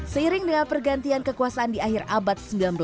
seiring dengan pergantian kekuasaan di akhir abad sembilan belas